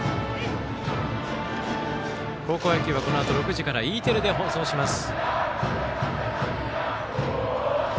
高校野球はこのあと６時からＥテレで放送します。